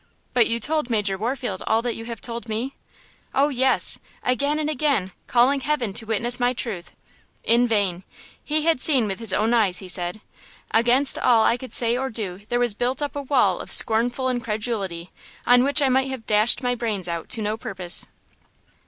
"But you told Major Warfield all that you have told me?" "Oh, yes! again and again, calling heaven to witness my truth! In vain! he had seen with his own eyes, he said. Against all I could say or do there was built up a wall of scornful incredulity, on which I might have dashed my brains out to no purpose."